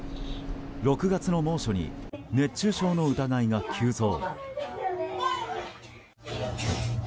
６月の猛暑に熱中症の疑いが急増。